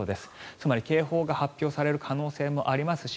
つまり警報が発表される可能性もありますし